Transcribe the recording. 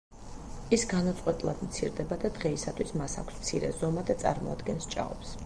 ის განუწყვეტლად მცირდება და დღეისათვის მას აქვს მცირე ზომა და წარმოადგენს ჭაობს.